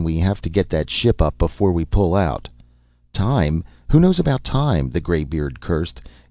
"We have to get that ship up before we pull out." "Time! Who knows about time!" the graybeard cursed.